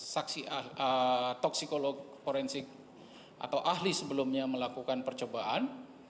saksi toksikologi forensik atau ahli sebelumnya melakukan percobaan